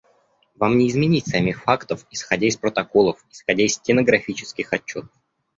Вам не изменить самих фактов исходя из протоколов, исходя из стенографических отчетов.